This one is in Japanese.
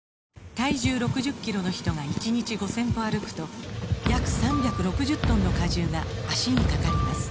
体重６０キロの人が１日５０００歩歩くと約３６０トンの荷重が脚にかかります